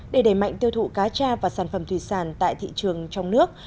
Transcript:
để đẩy mạnh tiêu thụ cá cha và sản phẩm thủy sản tại thị trường trong nước